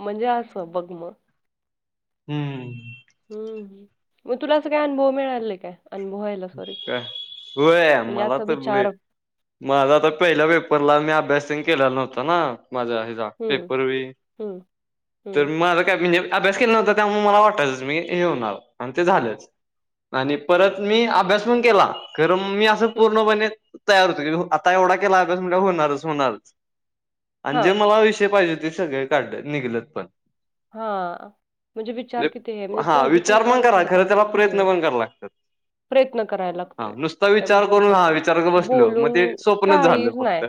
म्हणजे असं, बघ म. हम्म. हम्म. म तुला असं काय अनुभव मिळाला काय? अनुभवायला. सॉरी. काय? होय, म्हणजे मला असा तर लय. विचार माझा आता पहिल्या पेपरला मी अभ्यास तेन केलेला नव्हता ना. माझ्या हेचा. हं, पेपर बी. हं, तर हं, माझं काय? म्हणजे अभ्यास केला नव्हता. त्यामुळे मला वाटायचंच मी हे होणार. आणि ते झालेच. आणि परत मी अभ्यास पण केला. खरं मी असं हं. पूर्णपणे तयार होतो की. आता एवढा केला अभ्यास म्हणल्यावर होणारच होणारच. आणि हां, जे मला विषय पाहिजे होते, ते सगळे काढले. निघलत पण. हा म्हणजे विचार कितीये. म्हणजे हा पॉझिटिव्ह विचार का पण करा विचार खरं त्याला करायचा तर प्रयत्न हे. पण करायला लागतात प्रयत्न करायला हा लागतोय. नुसता त्या विचार करून हा गोष्टीसाठी. विचार करत बसलो मग ते बोलून स्वप्नच झालं काहीच फक्त नाय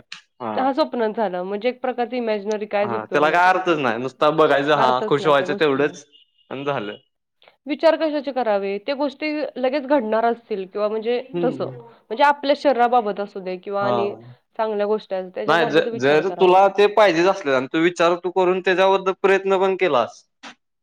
हा स्वप्नात झालं. म्हणजे एक प्रकारची इमॅजिनरी कायच उपयोग नाही त्याचं. आता बघायचं हा. खुश व्हायचं तेवढंच. अन झालं. विचार कशाचे करावे. ते गोष्टी लगेच घडणार असतील. किंवा म्हणजे तसं हम्म. म्हणजे आपल्या शरीराबाबत असू दे, किंवा हा आणि चांगल्या गोष्टी असु दे, नाही ज त्याच्याबाबत विचार जर करावा. तुला ते पाहिजेच असलेला. अन तू विचार तू करून, त्याच्याबद्दल प्रयत्न पण केलास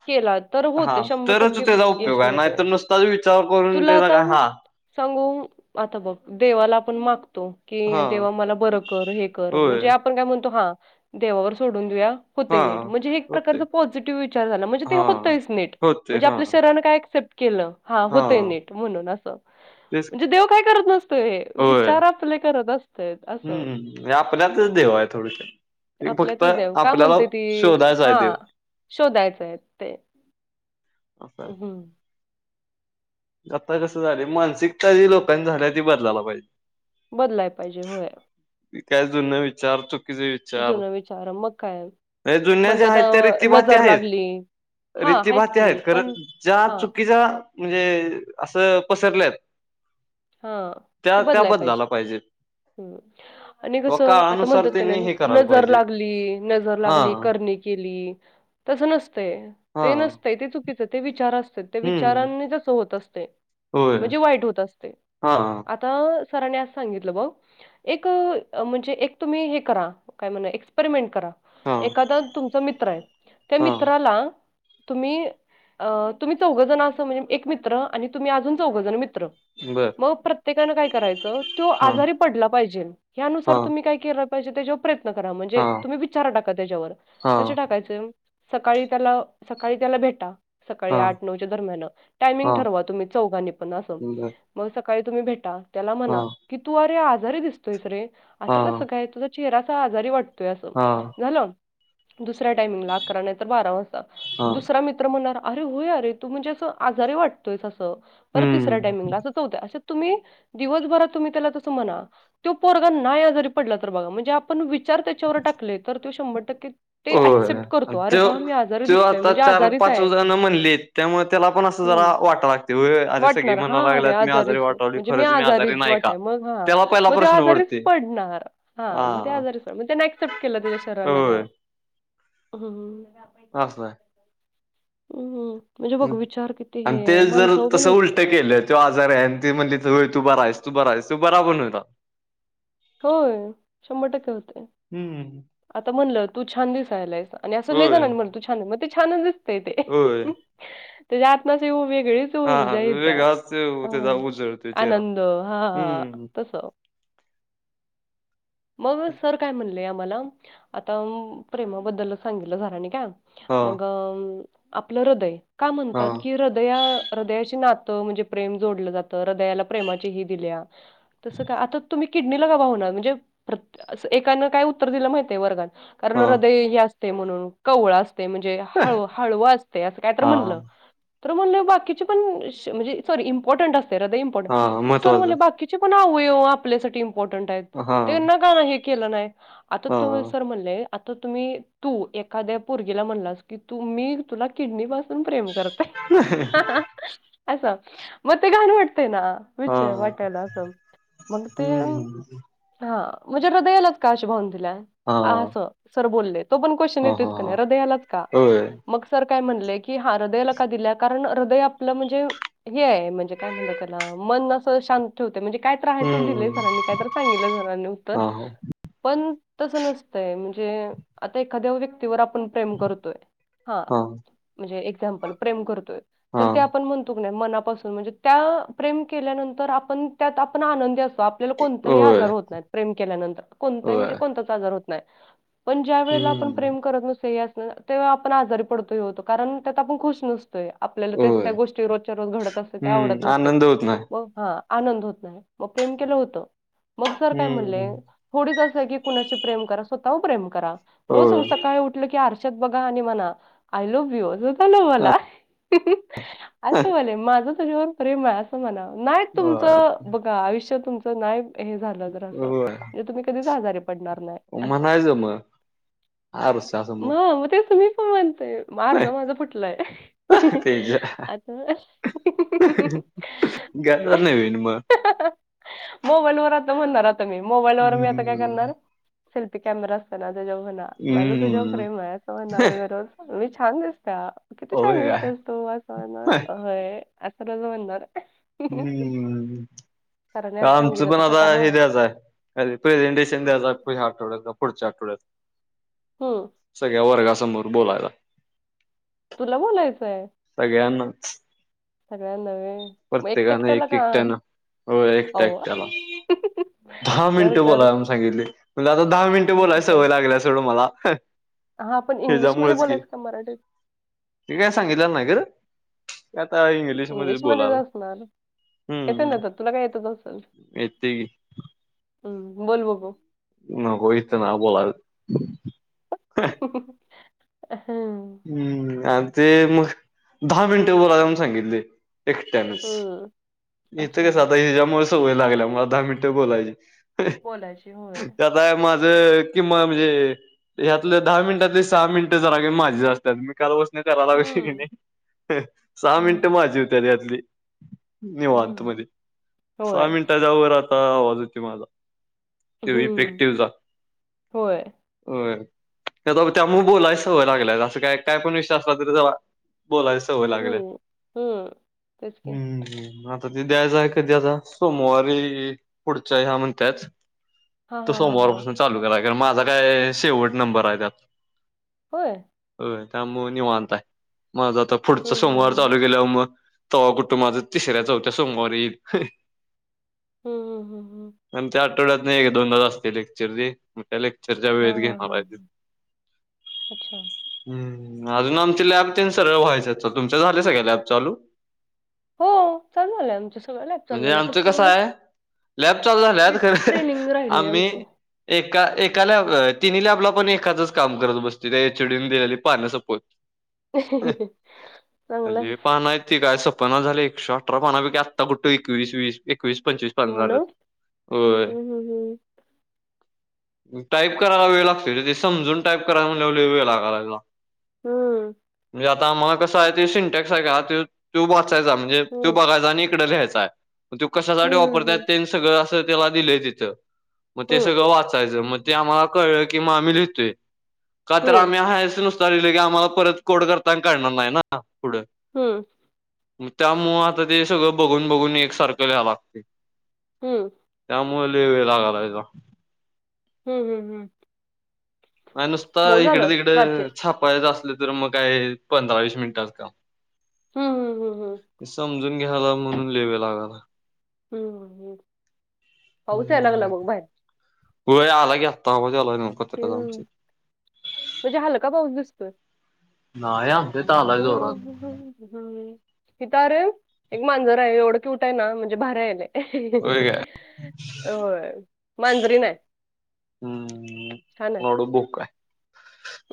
केला तर हा, होते शंभर तरच टक्के त्याचा यश उपयोग हाय. नाय मिळते तर नुसताच विचार करून तुला त्याचा आता काय हा. सांगू, आता बघ देवाला आपण मागतो. हा कि देवा मला, बरं कर हे कर. होय म्हणजे आपण काय म्हणतो, हा देवावर सोडून देऊया. हा होतंय नीट. म्हणजे एक होते प्रकार पॉझिटिव्ह विचार झाला. म्हणजे ते हा होतंयच नीट. होते म्हणजे हा आपल्या शरीर त्यानं काय एक्सेप्ट केलं, हा होतंय नीट म्हणून असं. तेच म्हणजे, देव काय करत नसतोय. हे विचार आपले, करत अस हम्म हम्म. आपल्यातच, देव हाय थोडक्यात. ते फक्त आपल्यातच देव का आपल्याला, शोधायचं हाय देव. शोधायचंय ते, असा हम्म. आता कसं झाले, मानसिकता जी लोकांनी झाल्या ती बदलायला पाहिजे. बदलाय पाहिजे होय. ती काय जुना विचार तो चुकीचा विचार. जुनं विचार मग काय त्या जुन्या म्हणतात आहेत ज्या, अ रीतीभाती नजर आहेत. लागली हा रीतीभाती की आहेत, खरं पण ज्या हा चुकीच्या म्हणजे असं पसरल्यात हा, ते त्या त्या बदलाय बदलायला पाहिजे. पाहिजेत. आणि व कसं आता काळानुसार म्हणतात का त्यांनी नाही, हे करायला नजर पाहिजे लागली, नजर हा लागली, करणी केली तसं नसतंय. हा ते नसतंय, ते चुकीचं, ते विचार असतेत. त्या हम्म. विचारांनी, तसं होत असते. होय म्हणजे वाईट होत असते. हा हा. आता सरांनी, असं सांगितलं भाऊ एक म्हणजे एक तुम्ही हे करा, काय म्हणा? एक्सपेरिमेंट करा. हा एखादा तुमचा मित्र आहे. त्या हा मित्राला तुम्ही अ तुम्ही चौघ जण असं म्हणजे एक मित्र आणि तुम्ही अजून चौघजण मित्र बर मग प्रत्येकानं काय करायचं? तो हा आजारी पडला पाहिजे, हा यानुसार तुम्ही काय केलं पाहिजे? त्याच्यावर प्रयत्न करा, हा म्हणजे तुम्ही विचार टाका त्याच्यावर. हा कसे टाकायचं की सकाळी त्याला, सकाळी त्याला भेटा सकाळी हा आठ नऊच्या दरम्यानं, टायमिंग हा ठरवा तुम्ही चौघांनी पण असं बर मग सकाळी तुम्ही भेटा त्याला म्हणा हा की तू अरे आजारी दिसतोय रे हा असं, कसं काय तुझं चेहरा असा आजारी वाटतोय अस हा झालं दुसऱ्या टाइमिंगला आकरा नाहीतर बारा वाज हा दुसरा मित्र म्हणणार अरे होय अरे तू म्हणजे अस आजारी वाटतोयस असं परत तिसऱ्या हम्म. टाइमिंगला अस असं तुम्ही दिवसभर त्याला तसं म्हणा त्त्यो पोरगा नाय आजारी पडला तर बघा पण विचार त्याच्यावर टाकले तर तो शंभर टक्के ते अऍक्सेप्ट करतो अरे हा मी आजा ते आता चार, पाच जण म्हणलीत त्यामुळे त्याला पण असं हम्म जरा वाटं लागते अरे स सगळी म्हणाय लागल्यात मी तरी आजारी सो वाटालोय म्हणजे मी खरंच आजारी च नाही का? वाटाय म हा त्याला पहिला म त्यो प्रश्न आजारीच पडतोय पडणार हा म त्यान एक्सेप्ट केल त्याच्या शरीरांन त्या होय असय हम्म म्हणजे बघ विचार किती आणि ते हे जर माणसाह पण तसं होतय उलटं केलं त्यो आजारी आहे आणि ते म्हणले होय तू बरा आहेस तू बरा आहेस तू बरा पण होता होय शंभर टक्के होतय हम्म आता म्हणलं तू छान दिसायलायस आणि असं लई होय जनांनी म्हण तू छान मग ते छानच दिसतय ते होय त्याच्या आतन असऊ वेगळीच ती हा हा ऊर्जा येत्या वेगळाच त्याचा उजळतोय चेहरा आनंद हा हम्म. तस मग सर काय म्हणले आम्हाला आता प्रेमाबद्दलच सांगितलं सरांनी काय हा मग आपलं हृदय का हा म्हणतात की हृदया हृदयाची नातं म्हणजे प्रेम जोडलं जातं हृदयाला प्रेमाची ही दिल्या तसं का आता तुम्ही किडनीला का भावना म्हणजे एकानं काय उत्तर दिलं माहित आहे वर्गात कारण हा हृदय हे असते म्हणून कवळ असत ते म्हणजे हळ हळव असतय अस काय तर हा म्हणलं तर म्हणले बाकीची पण म्हणजे सॉरी इम्पॉर्टंट असते हृदय इम्पॉर्टंट हा मग सर म्हणले महत्वाचं बाकी चे पण अवयव आपल्यासाठी इम्पॉर्टंट आहेत हा. तेना का नाय हे केलं नाही आता तु हां. सर म्हणले आता तुम्ही तू एखाद्या पोरगीला म्हणलास की तू मी तुला किडनी पासून प्रेम करतय असं मग ते घाण वाटतना विचय हां. वाटायला असं मग ते हं. हा म्हणजे हृदययालाच का अशी भावना दिल्या हां. असं सर बोललेत तो पण क्वेश्चन हां, येतोच हां, की हां. हृदयालाच का? होय. मग सर काय म्हणलेय की हा हृदयाला का दिल्या कारण हृदय आपलं म्हणजे हे हाय म्हणजे काय म्हणतात त्याला मन असं शांत ठेवते म्हणजे काय त राहायचं दिलंय हं. सरांनी काय तर दिलंय सरांनी उत्तर हां, हां. पण तसं नसतंय म्हणजे आता एखाद्या व्यक्तीवर आपण प्रेम करतोय हा हां, म्हणजे एक्झाम्पल प्रेम करतोय तर ते हां. आपण म्हणतो मनापासून म्हणजे त्या प्रेम केल्यानंतर आपण त्यात आपण आनंदी अस आपल्याला कोणताही आजार होय, होत नाही प्रेम केल्यानंतर कोणताही म्हणजे होय. कोणताच आजार होत नाही पण ज्या वेळेला आपण हं. प्रेम करत नसतो हे असण तेव्हा आपण आजारी पडतो ही होत कारण त्यात आपण खुश नसतो आपल्याला तेच होय. त्या गोष्टी रोजच्या रोज घडत असत ते हं. आवडत नसतच आनंद होत नाही. मग हा आनंद होत नाही मग प्रेम केलं होतं मग सर काय म्हणले हं. थोडीच असं आहे की कुणाशी प्रेम करा मग स्वतःवर प्रेम करा रोज होय. सकाळी उठलं की आरशात बघा आणि म्हणा आय लव्ह यू स्वतःला मना असं व्हायलय माझ तुझ्यावर प्रेम आहे असं म्हणा नाही होय, तुमचं बघ का आयुष्य तुमचं नाही हे झालं तर असं होय. म्हणजे तुम्ही कधीच आजारी पडणार नाही असं म्हणायचं मग [inaudible] म आरशासमोर. मग तेच मी पण म्हणतेय. आरसा माझा फुटलाय. तेच्या [unintelligible] [unintelligible] घ्यायचं नवीन मग. मोबाईलवर आता म्हणणार आता मी. मोबाईलवर मी आता काय करणार? हं. सेल्फी कॅमेरा असतो ना, त्याच्यावर म्हणा माझं तुझ्यावर हं. प्रेम आहे असे म्हणार मी रोज. मी छान दिसता, किती छान होय काय? दिसतेस तू? असं म्हणणारं होय, असं रोज म्हणणार. हम्म. सरांनी [inaudible] आज आमचं सांगितलं पण तसं आता कर हां. हे द्यायचं आहे. प्रेझेंटेशन द्यायचं ह्या आठवड्यात, का पुढच आठवड्यात? हम्म. सगळ्या वर्गासमोर बोलायला तुला बोलायचंय? सगळ्यांनाच. सगळ्याना व्हय. मग एकटं प्रत्येकानें एकट्याला एक का? एकट्यानं, होय एकटा अहो, एकट्याला दहा कर, मिनिटं कर. बोला अजून सांगितलीये. म्हणजे आता दहा मिनिटं आई बोलायची शप्पथ सवय लागल्या सोडं मला हं. हा आपण इंग्लिशमध्ये बोलायच का मराठीत? ते काय सांगितलं नाही खरं, आता इंग्लिशमध्ये बोलाल. झालं [unintelligible] येतंय की. हम्म. बोल बघू. नको इथं नाही बोलायचं. [inaudible] हम्म. हम्, आन तेे मग दहा मिनिटे बोला अजून सांगितले, एकट्यानच. हम्म, इथे अच्छा कस आता हिच्यामुळे सवयी लागल्यामुळं, दहा मिनिटे बोलायची. बोलायची [inaudible] होय ते आता माझं किमान म्हणजे ह्यातले दहा मिनिटातले, सहा मिनिटं जरा कमी माझेच असतात. काल बसण करालोय की हम्म नाही, [inaudible] सहा हम्म मिनिटं माझी येत त्याच्यातले. निवांत हम्म मध्ये. [inaudible] सहा होय मिनिटांच्या वर आता आवाज येतोय माझा. ते हम्म इफेक्टिव्ह जा. होय [inaudible] होय. त्या त्यामुळे बोलायची सवय लागलीय, असं काय काय पण विषय असला तरी जरा बोलाय सवय लागल्या. हम्म हम्म तेच [inaudible] की हम्म हम्. आता ते द्यायचं आहे कधी आता? सोमवारी पुढच्या ह्या म्हणतायेत. हा तो हा हा हा सोमवारपासून चालू करा. कारण माझा काय शेवट नंबर आहे त्यात. होय. होय. त्यामुळं निवांत हाय. माझं आता पुढचा हम्म हम्म सोमवार चालू केल्यावर मग तवा कुठं माझं तिसऱ्या चौथ्या सोमवारी [inaudible] हम्म हम्म हम्म हम्म हम्म. आणि त्या आठवड्यात नाही एक दोनदा च असते लेक्चर रे. त्या लेक्चरच्या हा वेळेस हा घेणार हा आहेत ते. अच्छा [inaudible] हम्. अजून आमची लॅब ते सगळं व्हायचंय ते. तुमच्या झाले सगळ्या लॅब चालू? हो. चालू झालंय आमच्या म्हणजे आमचं कसं आहे? लॅब चालू झाल्या, की खर ट्रेनिंग राहिलंय आम्ही आमचं एका एका लॅब तिन्ही लॅबला पण एकाच काम करत बसतो. त्या एचडीने दिलेली पानं सपो [inaudible] [inaudible] चांगलेय. पानं आहेत काय सपना झाले एकशे अठरा पानापैकी आता कुठ एकवीस वस एकवीस पंचवीस. पण हो ना? झालंत होय. हं, हं, हं. टाईप करायला वेळ लागतो ते समजून टाईप करायला म्हणून लई वेळ लागालाय. हम्म. म्हणजे आता मग कसं आहे ते सिंटेक्स आहे का तो वाचायचा म्हणजे. तू हं. बघाय चा आणि इकडं लिहायचांय. मग ते कशासाठी हं, हं, वापरताय हं. तेनी सगळं असं त्याला दिलंय तिथं मग ते हं, सगळं वाचायचं मग. ते आम्हाला कळ की मग आम्ही लिहितोय का तर हं, हं, आम्ही हायचं नसतो. चालले की आम्हाला परत कोड करताना काढणार नाही ना पुढं हं. मग त्यामुळं आता ते सगळं बघून बघून एक सारखं घ्यां लागतय. हम्म. मला लई वेळ लागलाय. हम्म हम्म हम. नाही नुसता इकडे झालं तिकड प्राची. छापायचं असल तर मग काय पंधरा वीस मिनिटच काम. हं, हं, हं, हं. समजून घ्याला म्हणून लय वेळ लागाला. य हम्म पाऊच या लागला मग बाहेर व आला की आता आवाज यालाय हं, न्हव [unintelligible] म्हणजे हलका का पाऊस दिसतोय. ना ही आमच्या इथ आलाय जोरात. हम्म तिथ अरे एक मांजर आहे एवढं कि क्यूर आहे ना म्हणजे भारी आहे लई. होय काय हो मांजरीन आहे. हम्म छान आहे. मला वाटल बोका आहे.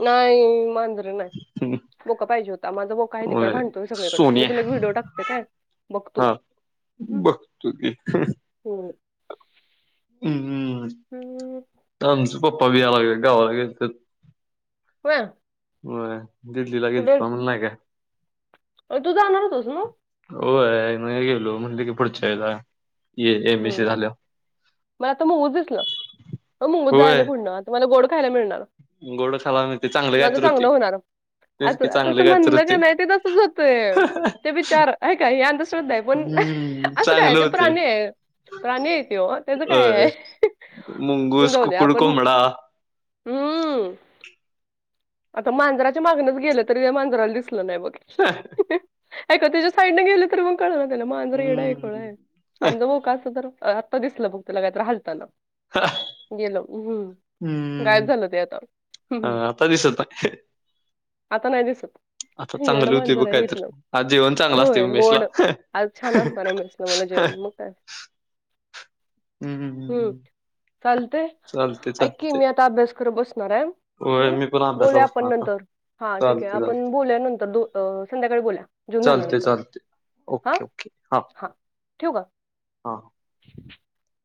नाही मांजरीन आहे बोका पाहिजे होता. माझं बोका तिकडे होय भांडतोय सगळीकडे मी सोन्या तुला एक व्हिडीओ टाकते काय. बघ तू. हा बघतु की. हम्म. हम्म हम्म. ह. आता आमचं पप्पा पण यालगल्यात गावाला गेलत. होय. होय दिल्लीला गेलतो म नाही काय. तू जाणारचस मग. होय आहे गेलो म्हणलं की पुढच्या हेच आहे. हम्म मला आता मुंगूस दिसल बघ मुंगूस जायलय पुढणं आत तुम्हाला गोड खायला मिळणार? गोडं खाला नई ते चांगल कायतर होती. अस आता तस म्हणलं कणी ते तसच होतय ते बि चार हाय काय हे शुभ आहे पण हम्म असं काय आहे चांगले ते होते प्राणी आहे? प्राणी आहे त्यो त्याच काय होय आहे पण मुंगूस, जाऊ द्या कुकुड, आपण कोंबडा हम्म. आता मांजराच्या मागनच गेलं तरी त्या मांजराला दिसलं नाही बघ. हायका तेच्या साईडन गेलं तर पण कळना त्याला मांजर येडं आहे खूळ हम्म. आहे आमच बो का असता तर आत्ता दिसलं बघ त्याला कायतर हलताणा. हा गेलो उम्म हुं गायब झालं ते आता. हा आता दिसत नाही आता नाही दिसत. आता येडं चांगली होतं बघ मांजर आहे कायतर इथलं. आज जेवण चांगलं असतय होय बघ मेसला. गोड. आज छान असणार आहे मेसला मला जेवण म काय. हम्म चालतंय चालते ऐक की चालते मी आता अभ्यास करं बसणार आहे. होय हम्म मी पण अभ्यासाला बोलूया आपण बसणार आता नंतर हा ठीक आहे चालते आपण चालते. बोलूया नंतर दो अ संध्याकाळी बोलूया. जेवून चालते झाल्यानंतर. चालते हा? ओके ओके हा ठेवू का? हा. [unintelligible]